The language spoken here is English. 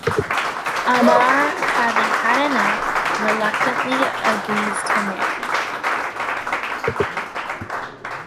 Amar having had enough reluctantly agrees to marry.